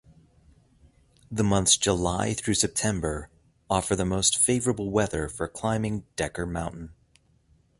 The months July through September offer the most favorable weather for climbing Decker Mountain.